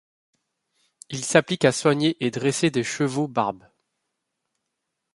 Il s'applique à soigner et dresser des chevaux barbes.